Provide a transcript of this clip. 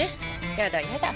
やだやだ。